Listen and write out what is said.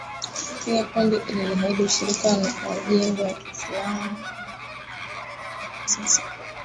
Pia kundi liliahidi ushirika na jimbo ya Kiislamu mwaka elfu mbili kumi na tisa.